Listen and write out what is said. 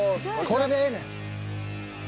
これでええねん。